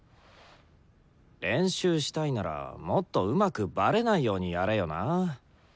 練習したいならもっとうまくバレないようにやれよな。